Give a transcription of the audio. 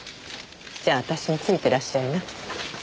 じゃあ私についてらっしゃいな。